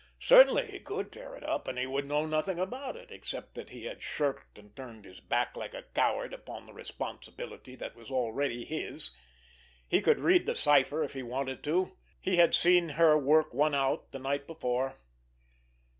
Certainly, he could tear it up, and he would know nothing about it, except that he had shirked and turned his back like a coward upon the responsibility that was already his! He could read the cipher, if he wanted to; he had seen her work one out the night before.